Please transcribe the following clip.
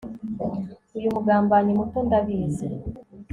Uyu mugambanyi muto Ndabizi